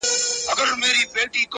دا نعمت خو د ګیدړ دی چي یې وخوري،